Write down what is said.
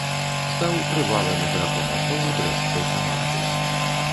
Стаў трывалым іграком асновы брэсцкай каманды.